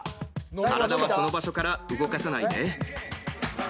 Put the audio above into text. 体はその場所から動かさないで。